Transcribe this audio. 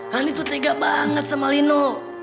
hani tuh tega banget sama lino